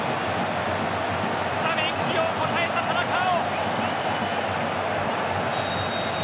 スタメン起用、応えた田中碧。